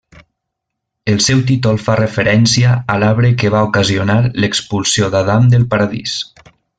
El seu títol fa referència a l'arbre que va ocasionar l'expulsió d'Adam del paradís.